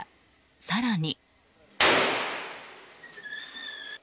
更に。